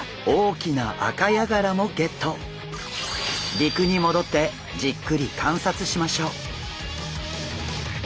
陸に戻ってじっくり観察しましょう。